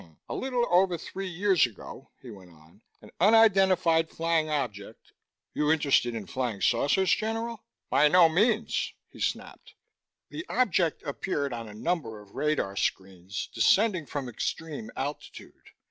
"A little over three years ago," he went on, "an unidentified flying object " "You interested in flying saucers, General?" I said. "By no means," he snapped. "The object appeared on a number of radar screens, descending from extreme altitude.